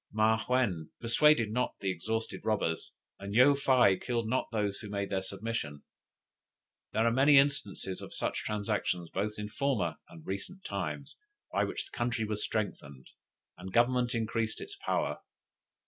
Ma yuen pursued not the exhausted robbers; and Yo fei killed not those who made their submission. There are many instances of such transactions both in former and recent times, by which the country was strengthened, and government increased its power.